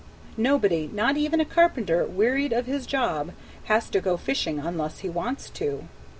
Nobody, not even a carpenter wearied of his job, has to go fishing unless he wants to.